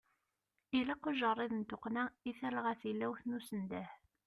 Ilaq ujeṛṛiḍ n tuqqna i telɣa tilawt n usendeh.